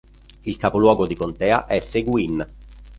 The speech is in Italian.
Il capoluogo di contea è Seguin.